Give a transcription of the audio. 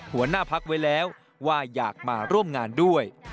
หัวหน้าพักไว้แล้วว่าอยากมาร่วมงานด้วย